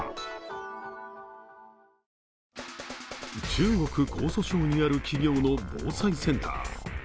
中国・江蘇省にある企業の防災センター。